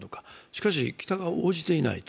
しかし北が応じていない。